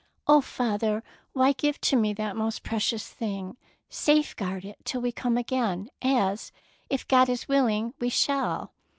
'' Oh, father, why give to me that most precious thing! Safeguard it till we come again, as, if God is willing, we shall."